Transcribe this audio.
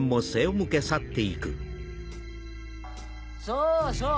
そうそう！